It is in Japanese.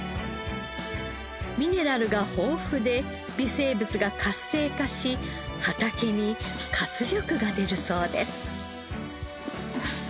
ミネラルが豊富で微生物が活性化し畑に活力が出るそうです。